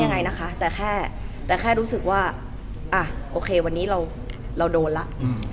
เหมือนนางก็เริ่มรู้แล้วเหมือนนางก็เริ่มรู้แล้ว